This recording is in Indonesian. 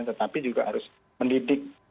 tetapi juga harus mendidik